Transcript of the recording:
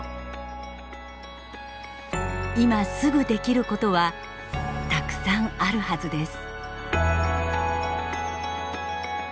今すぐできることはたくさんあるはずです。